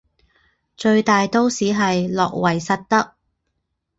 最大都市是诺维萨德。